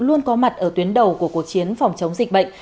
luôn có mặt ở tuyến đầu của cuộc chiến phòng chống dịch bệnh